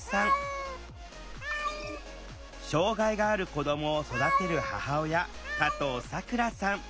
障害がある子どもを育てる母親加藤さくらさん。